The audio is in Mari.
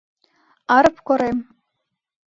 Арып корем.